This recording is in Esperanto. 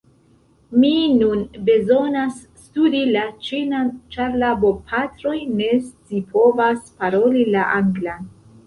Mi nun bezonas studi la ĉinan ĉar la bopatroj ne scipovas paroli la anglan.